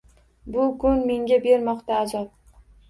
Bu kun menga bermoqda azob